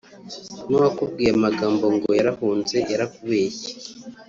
n’uwakubwiye amagambo ngo yarahunze yarakubeshye